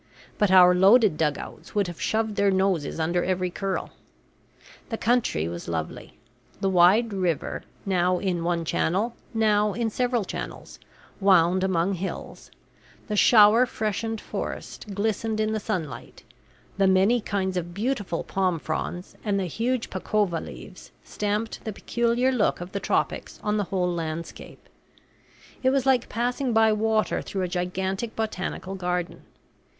But our loaded dugouts would have shoved their noses under every curl. The country was lovely. The wide river, now in one channel, now in several channels, wound among hills; the shower freshened forest glistened in the sunlight; the many kinds of beautiful palm fronds and the huge pacova leaves stamped the peculiar look of the tropics on the whole landscape it was like passing by water through a gigantic botanical garden.